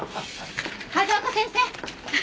風丘先生。